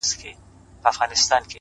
• د غوايي څنګ ته یې ځان وو رسولی ,